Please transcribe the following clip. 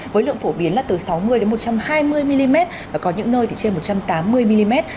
với lượng phổ biến là từ sáu mươi một trăm hai mươi mm và có những nơi thì trên một trăm tám mươi mm